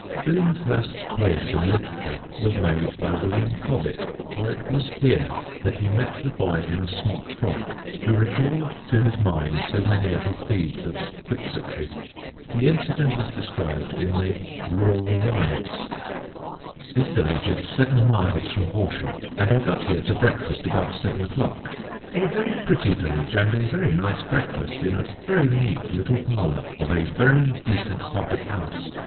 Billingshurst's place in literature was made by William Cobbett, for it was here that he met the boy in a smock frock who recalled to his mind so many of his deeds of Quixotry. The incident is described in the Rural Rides: [Sidenote: COBBETT AND THE LITTLE CHAP] "This village is seven miles from Horsham, and I got here to breakfast about seven o'clock. A very pretty village, and a very nice breakfast, in a very neat little parlour of a very decent public house.